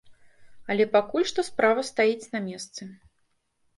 Але пакуль што справа стаіць на месцы.